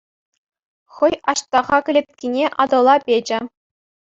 Хӑй Аҫтаха кӗлеткине Атӑла печӗ.